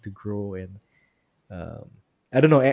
dan saya tidak tahu